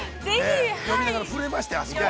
◆読みながら震えました、あそこは。